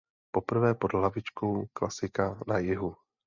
Poprvé pod hlavičkou "Klasika na jihu".